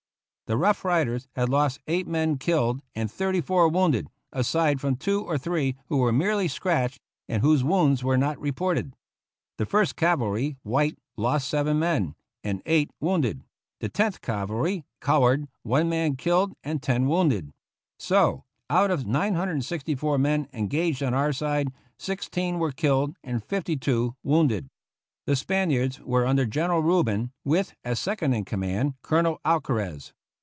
The Rough Riders had lost eight men killed GENERAL YOUNG'S FIGHT and thirty four wounded, aside from two or three who were merely scratched and whose wounds were not reported. The First Cavalry, white, lost seven men killed and eight wounded; the Tenth Cavalry, colored, one man killed and ten wounded; so, out of 964 men engaged on our side, 16 were killed and 52 wounded. The Spaniards were under General Rubin, with, as second in command. Colonel Alcarez.